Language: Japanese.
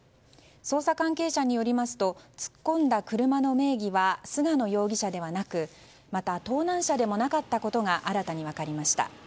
捜査関係者によりますと突っ込んだ車の名義は菅野容疑者ではなくまた、盗難車でもなかったことが新たに分かりました。